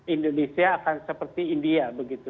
indonesia akan seperti india